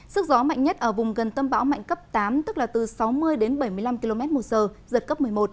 sức gió mạnh nhất ở vùng gần tâm bão mạnh cấp tám tức là từ sáu mươi đến bảy mươi năm km một giờ giật cấp một mươi một